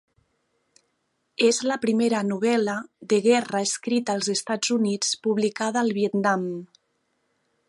És la primera novel·la de guerra escrita als Estats Units publicada al Vietnam.